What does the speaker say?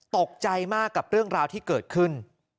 ตกใจมากกับเรื่องราวที่เกิดขึ้น